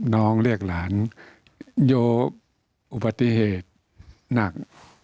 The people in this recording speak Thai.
น้องเรียกหลานโยอุบัติเหตุหนัก